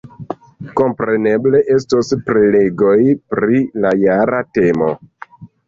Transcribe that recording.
Kompreneble, estos prelegoj pri la jara temo.